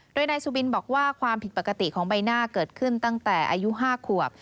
โดยนายสุบินบอกว่าความผิดปกติของใบหน้าเกิดขึ้นตั้งแต่อายุ๕ขวบ